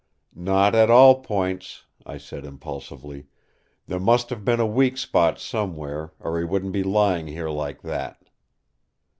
"Not at all points!" I said impulsively. "There must have been a weak spot somewhere, or he wouldn't be lying here like that!"